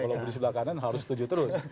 kalau di sebelah kanan harus setuju terus